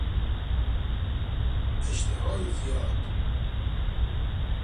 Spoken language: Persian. اشتهای زیاد